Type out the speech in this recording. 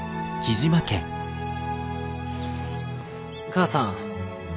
母さん。